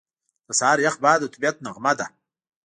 • د سهار یخ باد د طبیعت نغمه ده.